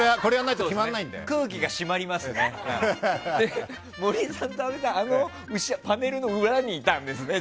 一緒にパネルの裏にいたんですね。